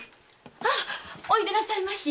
あおいでなさいまし。